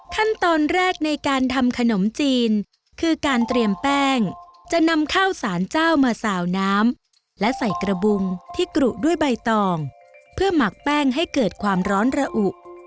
ขั้นตอนแรกในการทำขนมจีนคือการเตรียมแป้งจะนำข้าวสารเจ้ามาสาวน้ำและใส่กระบุงที่กรุด้วยใบตองเพื่อหมักแป้งให้เกิดความร้อนระอุ